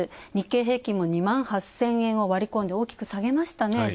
日経平均株価も２万８００００円を割り込んで大きく下げましたね。